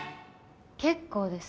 結構です。